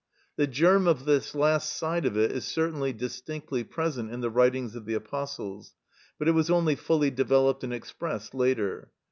The germ of this last side of it is certainly distinctly present in the writings of the Apostles, but it was only fully developed and expressed later.